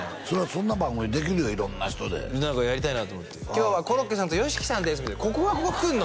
そんな番組できるよ色んな人で何かやりたいなと思って「今日はコロッケさんと」「ＹＯＳＨＩＫＩさんです」みたいな「ここ来んの？」